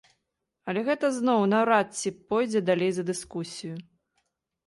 Але гэта зноў наўрад ці пойдзе далей за дыскусію.